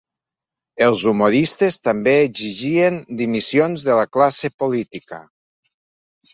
Els humoristes també exigien dimissions de la classe política.